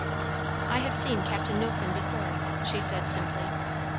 "I have seen Captain Knowlton before," she said simply.